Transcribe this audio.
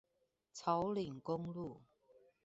草嶺公路